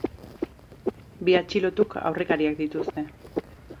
Bi atxilotuk aurrekariak dituzte.